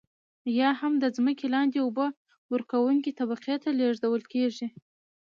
یا هم د ځمکې لاندې اوبه ورکونکې طبقې ته لیږدول کیږي.